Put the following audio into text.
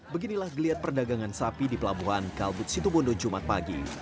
beginilah geliat perdagangan sapi di pelabuhan kalbut situbondo jumat pagi